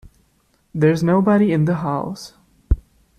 There's nobody in the house.